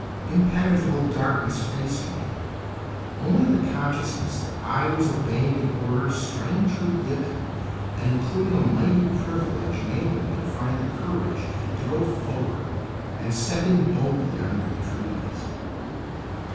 Impenetrable darkness faced me. Only the consciousness that I was obeying an order, strangely given, and including a mighty privilege, enabled me to find the courage to go forward and step in boldly under the trees.